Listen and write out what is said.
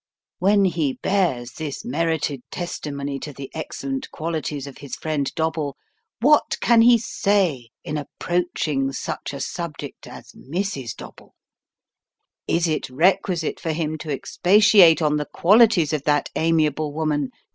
"When ho bears this merited testimony to the excellent qualities of his 170 Sketches by Boz. friend Dobble, what can he say in approaching such a subject as Mrs. Dobble ? Is it requisite for him to expatiate on the qualities of that amiable woman